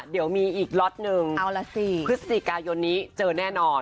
เดี๋ยวมีอีกล็อตหนึ่งพฤศจิกายนนี้เจอแน่นอน